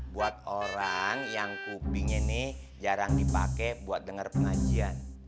buat orang yang kupingnya ini jarang dipake buat denger pengajian